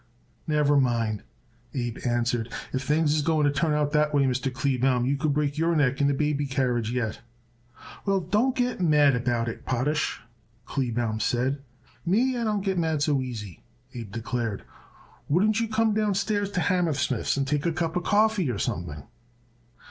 "Never mind," Abe answered, "if things is going to turn out that way, Mr. Kleebaum, you could break your neck in a baby carriage yet." "Well, don't get mad about it, Potash," Kleebaum said. "Me, I don't get mad so easy," Abe declared. "Wouldn't you come downstairs to Hammersmith's and take a cup coffee or something?"